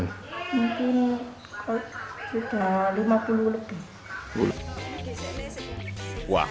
mungkin sudah lima puluh lebih